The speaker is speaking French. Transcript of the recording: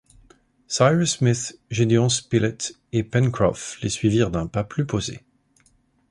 Cyrus Smith, Gédéon Spilett et Pencroff les suivirent d’un pas plus posé.